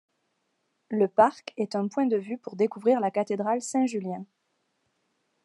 Le parc est un point de vue pour découvrir la Cathédrale Saint-Julien.